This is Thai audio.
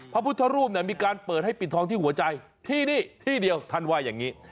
พระพุทธรูปมีการเปิดให้ปิดทองที่หัวใจที่นี่ที่เดียวท่านว่าอย่างนี้